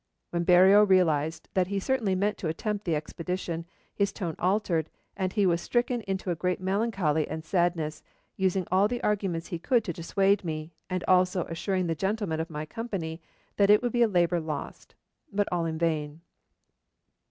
When Berreo realised that he certainly meant to attempt the expedition, his tone altered, and he 'was stricken into a great melancholy and sadness, using all the arguments he could to dissuade me, and also assuring the gentlemen of my company that it would be labour lost,' but all in vain.